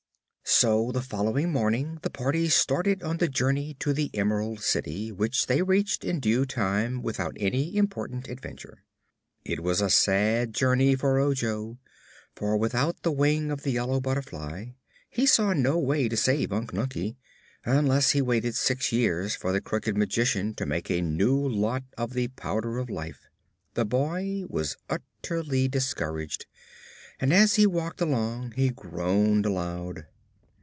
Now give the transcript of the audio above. So the following morning the party started on the journey to the Emerald City, which they reached in due time without any important adventure. It was a sad journey for Ojo, for without the wing of the yellow butterfly he saw no way to save Unc Nunkie unless he waited six years for the Crooked Magician to make a new lot of the Powder of Life. The boy was utterly discouraged, and as he walked along he groaned aloud.